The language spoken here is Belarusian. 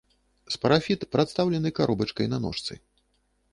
Спарафіт прадстаўлены каробачкай на ножцы.